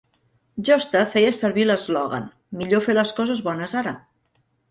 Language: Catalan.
Josta feia servir l'eslògan: millor fer les coses bones ara.